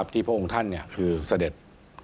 ที่พวกองค์ท่านคือเสด็จ